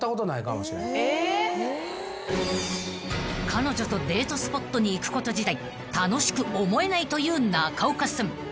［彼女とデートスポットに行くこと自体楽しく思えないという中岡さん］